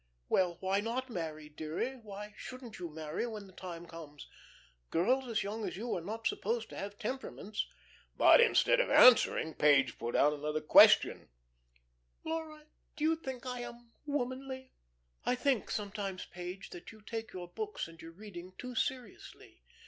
"Well, why not marry, dearie? Why shouldn't you marry when the time comes? Girls as young as you are not supposed to have temperaments." But instead of answering Page put another question: "Laura, do you think I am womanly?" "I think sometimes, Page, that you take your books and your reading too seriously.